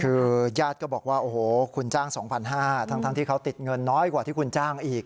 คือญาติก็บอกว่าโอ้โหคุณจ้าง๒๕๐๐ทั้งที่เขาติดเงินน้อยกว่าที่คุณจ้างอีก